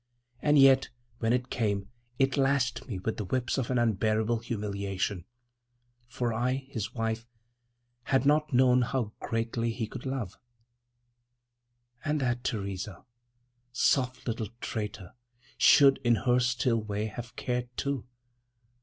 And yet, when it came, it lashed me with the whips of an unbearable humiliation. For I, his wife, had not known how greatly he could love. < 5 > And that Theresa, soft little traitor, should, in her still way, have cared too!